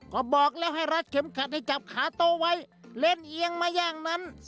ก็บอกแล้วให้รัดเข็มขัดให้จับขาโต๊ะไว้เล่นเอียงมาย่างนั้น